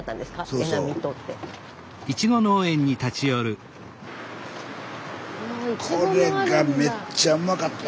スタジオこれがめっちゃうまかった。